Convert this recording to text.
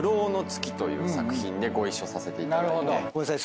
という作品でご一緒させていただいて。